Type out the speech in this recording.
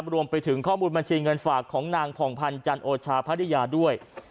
รวมไปถึงข้อมูลบัญชีเงินฝากของนางผ่องพันธ์จันโอชาภรรยาด้วย